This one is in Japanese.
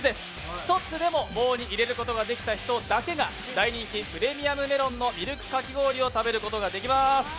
１つでも棒に入れることができた人だけが大人気プレミアムメロンのみるくかき氷を食べることができます。